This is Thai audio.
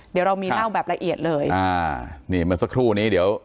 เดี๋ยวเรามีเล่าแบบละเอียดเลยอ่านี่เมื่อสักครู่นี้เดี๋ยว